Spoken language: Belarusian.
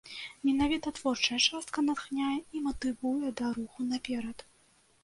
Менавіта творчая частка натхняе і матывуе да руху наперад.